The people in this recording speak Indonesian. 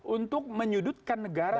untuk menyudutkan negara